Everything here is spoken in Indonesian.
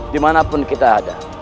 dimana pun kita ada